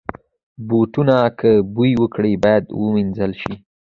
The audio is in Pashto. بوټونه که بوی وکړي، باید وینځل شي.